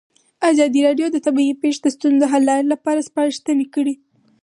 ازادي راډیو د طبیعي پېښې د ستونزو حل لارې سپارښتنې کړي.